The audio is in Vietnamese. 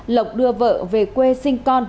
lộc đưa vợ về quê sinh con